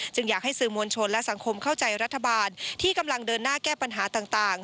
อยากให้สื่อมวลชนและสังคมเข้าใจรัฐบาลที่กำลังเดินหน้าแก้ปัญหาต่าง